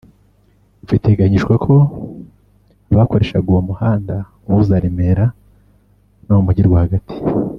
Biteganyijwe ko abakoreshaga uwo muhanda uhuza Remera no mu Mujyi rwagati